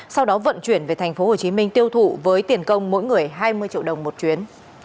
sau đó vận chuyển về tp hcm tiêu thụ với tiền công mỗi người hai mươi triệu đồng một chuyến